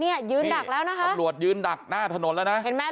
ยืนดักแล้วนะคะตำรวจยืนดักหน้าถนนแล้วนะเห็นไหม